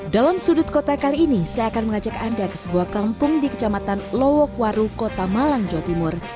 dalam sudut kota kali ini saya akan mengajak anda ke sebuah kampung di kecamatan lowokwaru kota malang jawa timur